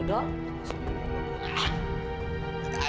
tidur di sini